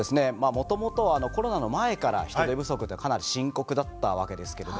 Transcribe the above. もともとはコロナの前から人手不足ってかなり深刻だったわけですけれども。